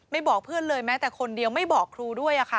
บอกเพื่อนเลยแม้แต่คนเดียวไม่บอกครูด้วยค่ะ